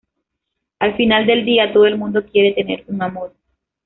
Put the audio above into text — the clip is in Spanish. Al final del día, todo el mundo quiere tener un amor".